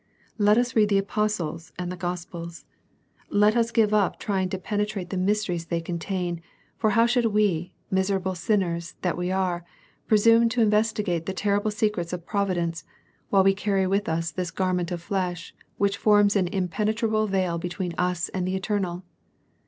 Let us read the Apostles and the Gospels. Let us give up trying to pene 110 WAR AND PEACE. trate the mysteries they con tain, for how should we, misera ble sinners that we are, presume to investigate the terrible secrets of Providence, while we carry with us this garment of flesh which forms an impenetrable veil between us and the Eter nal